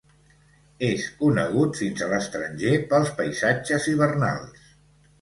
És conegut fins a l'estranger pels paisatges hivernals.